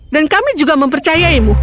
dan kami juga mempercayaimu